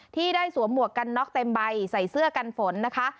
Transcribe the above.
ที่ได้สวมหมวกกันน็อกเต็มใบใส่เสื้อกันฝนนะคะ